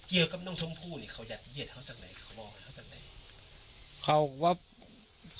เกี่ยวกับน้องชมพู่นี่เขาอยากเย็นเท่าจากไหนเขาบอกเท่าจากไหน